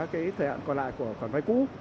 cái thời hạn còn lại của khoản vai cũ